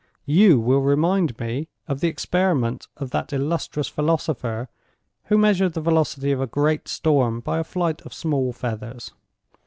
You will remind me of the experiment of that illustrious philosopher who measured the velocity of a great storm by a flight of small feathers.